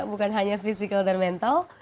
bukan hanya fisikal dan mental